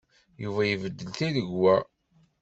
Yuba ibeddel tiregwa.